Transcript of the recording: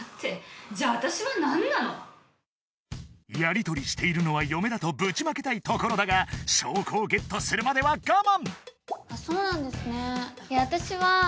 やり取りしているのは嫁だとぶちまけたいところだが証拠をゲットするまでは我慢